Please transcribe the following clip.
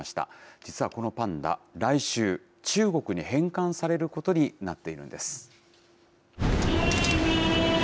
実はこのパンダ、来週、中国に返還されることになっているんです。